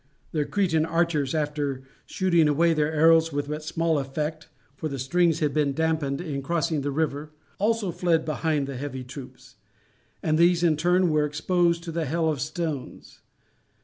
Their Cretan archers, after shooting away their arrows with but small effect, for the strings had been damped in crossing the river, also fled behind the heavy troops; and these in turn were exposed to the hail of stones.